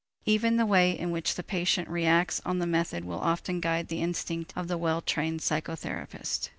Even the way in which the patient reacts on the method will often guide the instinct of the well trained psychotherapist.